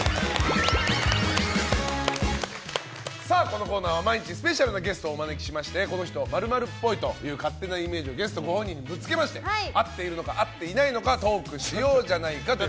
このコーナーは毎日スペシャルなゲストをお迎えしましてこの人○○っぽいという勝手なイメージをゲストご本人にぶつけまして合ってるのか合っていないのかトークしようじゃないかという。